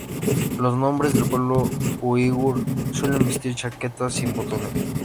Los hombres del pueblo uigur suelen vestir chaquetas sin botones.